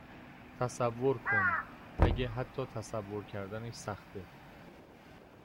تصور کن اگه حتی تصور کردنش سخته